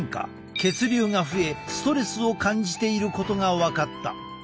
血流が増えストレスを感じていることが分かった。